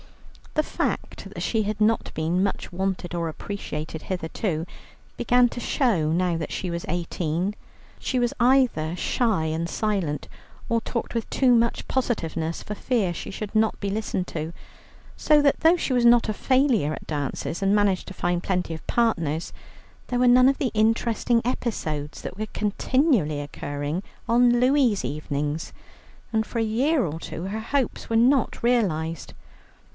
The fact that she had not been much wanted or appreciated hitherto began to show now she was eighteen. She was either shy and silent, or talked with too much positiveness for fear she should not be listened to; so that though she was not a failure at dances and managed to find plenty of partners, there were none of the interesting episodes that were continually occurring on Louie's evenings, and for a year or two her hopes were not realized.